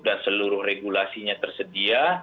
dan seluruh regulasinya tersedia